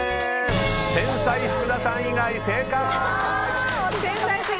天才・福田さん以外正解！